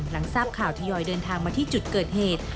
หลังทราบข่าวทยอยเดินทางมาที่จุดเกิดเหตุ